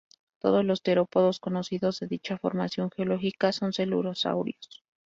Todos los terópodos conocidos de dicha formación geológica son celurosaurios.